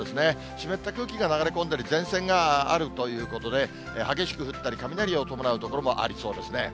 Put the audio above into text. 湿った空気が流れ込んだり、前線があるということで、激しく降ったり、雷を伴う所もありそうですね。